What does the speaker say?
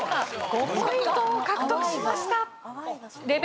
５ポイントを獲得しました。